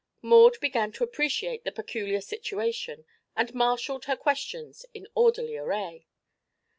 Maud began to appreciate the peculiar situation and marshalled her questions in orderly array.